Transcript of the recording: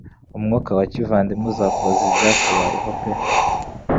Umwuka wa kivandimwe uzabaza ibyakubayeho pe -